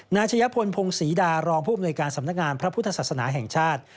นายชะยะพลพงศรีดารองผู้อำนวยการสำนักงานพระพุทธศาสนาแห่งชาติ